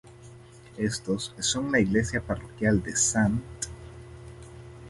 Estos son la iglesia parroquial de "St.